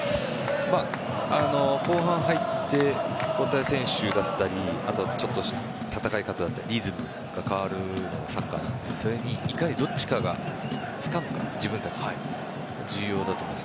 後半入って交代選手だったり戦い方だったりリズムが変わるのがサッカーなのでいかにどっちかがつかむか重要だと思います。